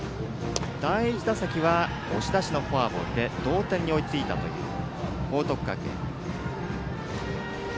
第１打席は押し出しのフォアボールで同点に追いついたという報徳学園。